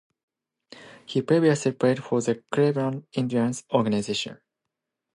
He previously played for the Cleveland Indians organization.